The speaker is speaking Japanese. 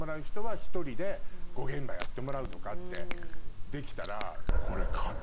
やってもらうとかってできたらこれ。